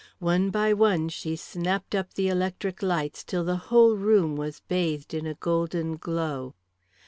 One by one she snapped up the electric lights till the whole room was bathed in a golden glow.